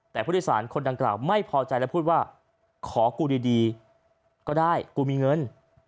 แต่ผู้โดยสารคนดังกล่าวไม่พอใจและพูดว่าขอกูดีก็ได้กูมีเงิน